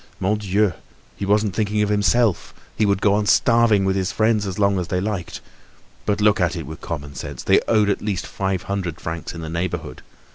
Mon Dieu! he wasn't thinking of himself; he would go on starving with his friends as long as they liked. But look at it with common sense. They owed at least five hundred francs in the neighborhood.